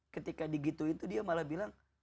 ketika digituin tuh dia malah bilang